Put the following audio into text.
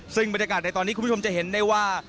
ซึ่งบรรยากาศในตอนนี้คุณผู้ชมจะเห็นได้ว่า